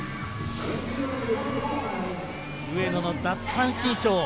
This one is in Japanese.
上野の奪三振ショー。